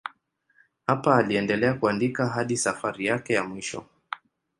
Hapa aliendelea kuandika hadi safari yake ya mwisho.